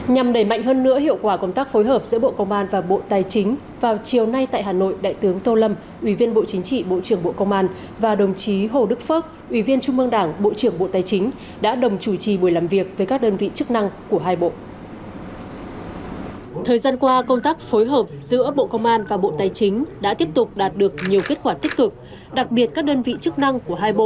nhằm đẩy mạnh hơn nữa hiệu quả công tác phối hợp giữa bộ công an và bộ tài chính vào chiều nay tại hà nội đại tướng tô lâm ủy viên bộ chính trị bộ trưởng bộ công an và đồng chí hồ đức phước ủy viên trung mương đảng bộ trưởng bộ tài chính đã đồng chủ trì buổi làm việc với các đơn vị chức năng của hai bộ